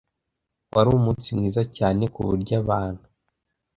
Wari umunsi mwiza cyane kuburyo abantu